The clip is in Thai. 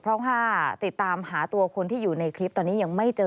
เพราะว่าติดตามหาตัวคนที่อยู่ในคลิปตอนนี้ยังไม่เจอ